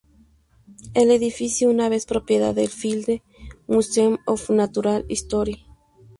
El edificio fue una vez propiedad del Field Museum of Natural History.